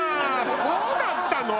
そうだったの？